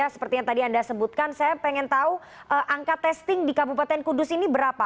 seperti yang tadi anda sebutkan saya pengen tahu angka testing di kabupaten kudus ini berapa